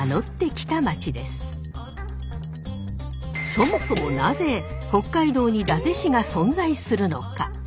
そもそもなぜ北海道に伊達市が存在するのか？